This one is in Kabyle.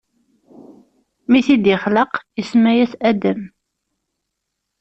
Mi t-id-ixleq, isemma-yas Adam.